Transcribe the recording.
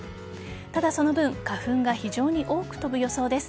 ただ、その分花粉が非常に多く飛ぶ予想です。